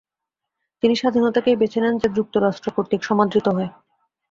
তিনি স্বাধীনতাকেই বেছে নেন যা যুক্তরাষ্ট্র কর্তৃক সমাদৃত হয়।